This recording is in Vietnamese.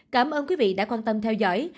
cảm ơn quý vị đã quan tâm theo dõi